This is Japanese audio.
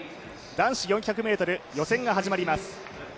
男子４００ｍ予選が始まります。